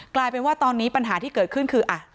กลายเป็นว่าตอนนี้ปัญหาที่เกิดขึ้นคือ